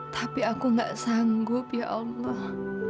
tapi aku gak sanggup ya allah